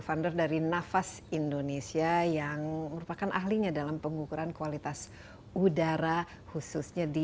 founder dari nafas indonesia yang merupakan ahlinya dalam pengukuran kualitas udara khususnya di